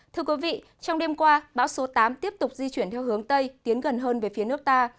thưa quý vị trong đêm qua bão số tám tiếp tục di chuyển theo hướng tây tiến gần hơn về phía nước ta